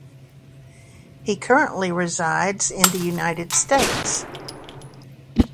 He currently resides in the United States.